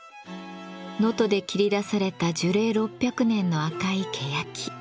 能登で切り出された樹齢６００年の赤いけやき。